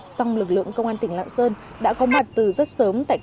song lực lượng công an tỉnh lạng sơn đã có mặt từ rất sớm